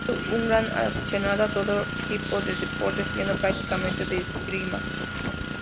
Fue un gran aficionado a todo tipo de deportes, siendo practicante de esgrima.